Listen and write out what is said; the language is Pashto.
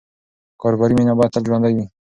کاروباري مینه باید تل ژوندۍ وي.